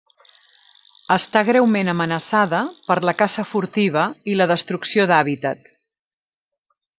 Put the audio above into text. Està greument amenaçada per la caça furtiva i la destrucció d'hàbitat.